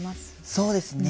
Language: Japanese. そうですね。